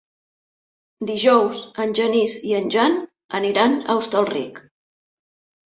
Dijous en Genís i en Jan aniran a Hostalric.